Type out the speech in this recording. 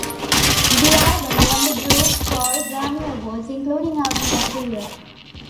The album won the group four Grammy Awards, including Album of the Year.